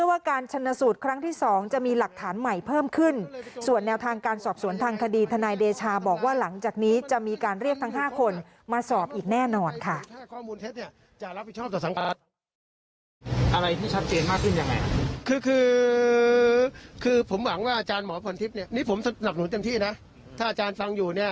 อักษรฐานใหม่เพิ่มขึ้นส่วนแนวทางการสอบสวนทางคดีธนายเดชาบอกว่าหลังจากนี้จะมีการเรียกทั้งห้าคนมาสอบอีกแน่นอนค่ะ